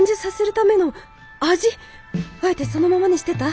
あえてそのままにしてた！？